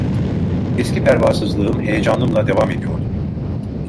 Eski pervasızlığım, heyecanımla devam ediyordum.